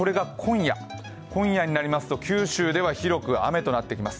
今夜になりますと九州では広く雨となってきます